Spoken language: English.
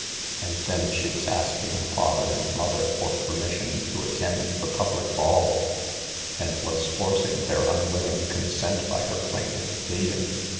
And then she was asking father and mother for permission to attend the public ball, and was forcing their unwilling consent by her plaintive pleading.